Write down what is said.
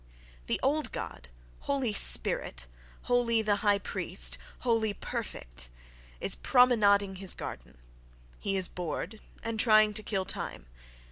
— The old God, wholly "spirit," wholly the high priest, wholly perfect, is promenading his garden: he is bored and trying to kill time.